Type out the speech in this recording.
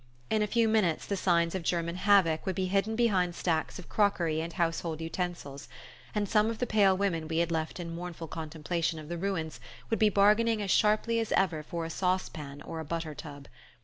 In a few minutes the signs of German havoc would be hidden behind stacks of crockery and household utensils, and some of the pale women we had left in mournful contemplation of the ruins would be bargaining as sharply as ever for a sauce pan or a butter tub.